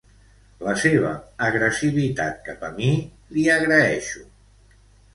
La seva agressivitat cap a mi, l'hi agraeixo.